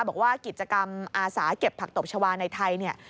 บอกว่ากิจกรรมอาสาเก็บผักตบชาวาในไทยเนี่ย